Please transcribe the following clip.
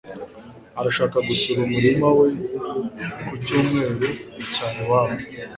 Arashaka gusura umurima we ku cyumweru mu cyaro iwabo.